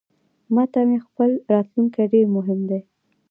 ماته مې خپل راتلونکې ډیرمهم دی